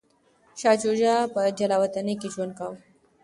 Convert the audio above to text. شاه شجاع په جلاوطنۍ کي ژوند کاوه.